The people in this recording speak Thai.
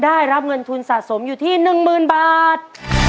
ได้รับเงินทุนสะสมอยู่ที่๑๐๐๐บาท